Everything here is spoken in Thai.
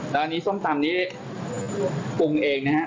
แล้วอันนี้ส้มตำนี้ปรุงเองนะฮะ